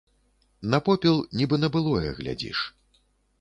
На попел, нібы на былое, глядзіш.